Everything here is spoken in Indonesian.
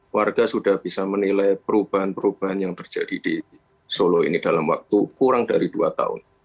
warga sudah bisa menilai perubahan perubahan yang terjadi di solo ini dalam waktu kurang dari dua tahun